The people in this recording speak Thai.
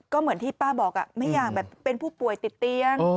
ก็เหมือนที่ป้าบอกไม่อยากแบบเป็นผู้ป่วยติดเตียง